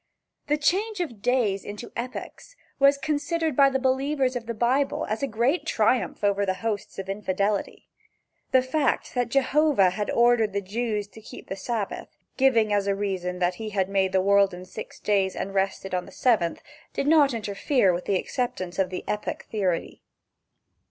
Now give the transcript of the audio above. The change of days into epochs was considered by the believers of the Bible as a great triumph over the hosts of infidelity. The fact that Jehovah had ordered the Jews to keep the Sabbath, giving as a reason that he had made the world in six days and rested on the seventh, did not interfere with the acceptance of the "epoch" theory.